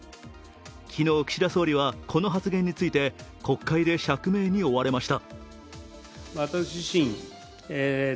昨日、岸田総理はこの発言について国会で釈明に追われました。